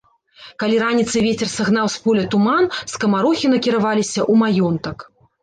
Калі раніцай вецер сагнаў з поля туман, скамарохі накіраваліся ў маёнтак.